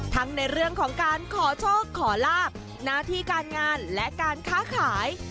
ทั้งในเรื่องของการขอโชคขอลาบหน้าที่การงานและการค้าขาย